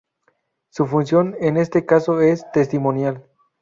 Su función en este caso es testimonial.